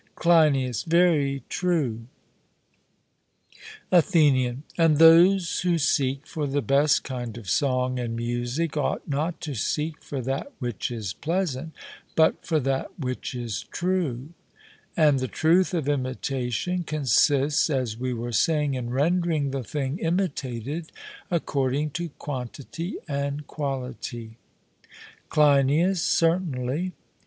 CLEINIAS: Very true. ATHENIAN: And those who seek for the best kind of song and music ought not to seek for that which is pleasant, but for that which is true; and the truth of imitation consists, as we were saying, in rendering the thing imitated according to quantity and quality. CLEINIAS: Certainly.